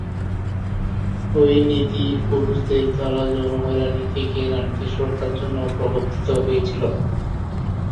এই নীতি পুরুষদের দ্বারা যৌন হয়রানি থেকে নারীদের সুরক্ষার জন্য প্রবর্তিত হয়েছিল।